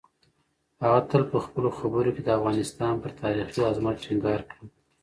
هغه تل په خپلو خبرو کې د افغانستان پر تاریخي عظمت ټینګار کوي.